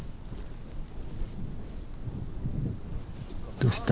どうした？